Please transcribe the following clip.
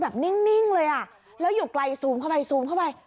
นิ่งเลยอ่ะแล้วอยู่ไกลซูมเข้าไปซูมเข้าไป